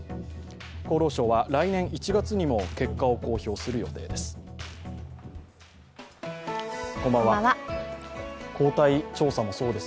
厚労省は来年１月にも結果を公表する予定です。